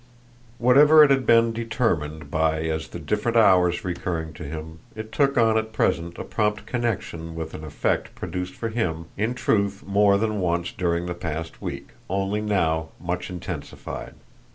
Whatever it had been determined by as the different hours recurred to him, it took on at present a prompt connexion with an effect produced for him in truth more than once during the past week, only now much intensified.